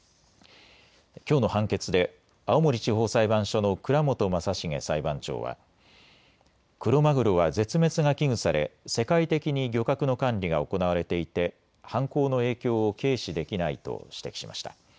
きょうの判決で青森地方裁判所の藏本匡成裁判長はクロマグロは絶滅が危惧され世界的に漁獲の管理が行われていて犯行の影響を軽視できないと指摘しました。